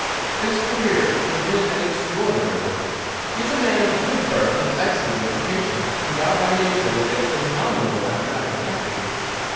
"His career has been an extraordinary one. He is a man of good birth and excellent education, endowed by nature with a phenomenal mathematical faculty.